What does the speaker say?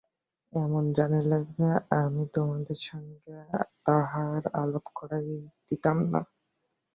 এমন জানিলে আমি তোমাদের সঙ্গে তাহার আলাপ করাইয়া দিতাম না।